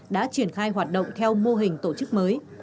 đã triển khai hoạt động theo mô hình tổ chức mới